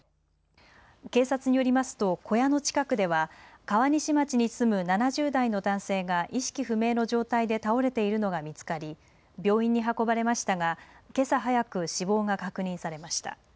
警察によりますと小屋の近くでは川西町に住む７０代の男性が意識不明の状態で倒れているのが見つかり病院に運ばれましたがけさ早く死亡が確認されました。